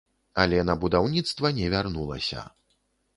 Але на будаўніцтва не вярнулася.